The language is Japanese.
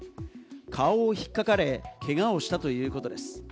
顔をひっかかれ、けがをしたということです。